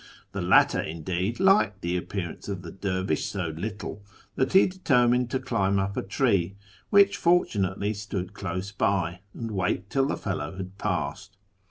The latter, indeed, liked the appearance of the dervish so little that he determined to climb up a tree, which fortunately stood close by, and wait till the fellow had passed.